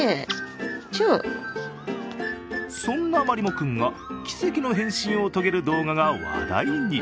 そんなまりも君が奇跡の変身を遂げる動画が話題に。